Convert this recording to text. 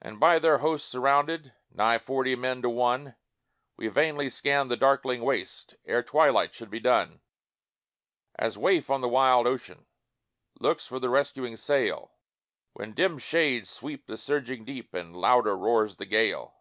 And by their hosts surrounded, Nigh forty men to one, We vainly scanned the darkling waste Ere twilight should be done; As waif on the wide ocean, Looks for the rescuing sail, When dim shades sweep the surging deep, And louder roars the gale.